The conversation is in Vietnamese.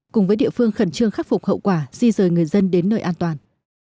cùng với địa phương khẩn trương khắc phục hậu quả di rời người dân đến nơi an toàn